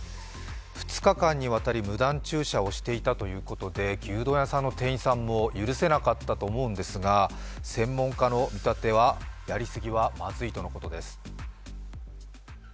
２日間にわたり無断駐車をしていたということで牛丼屋さんの店員さんも許せなかったと思うんですが、専門家の見立てはやり過ぎはまずいということです。